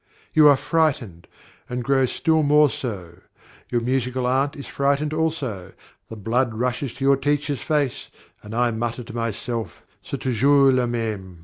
You are frightened, and grow still more so; your musical aunt is frightened also; the blood rushes to your teacher's face, and I mutter to myself, "_C'est toujours la même.